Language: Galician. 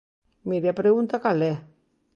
Mire, a pregunta ¿cal é?